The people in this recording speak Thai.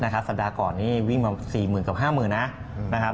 สัปดาห์ก่อนนี้วิ่งมา๔๐๐๐กับ๕๐๐๐นะครับ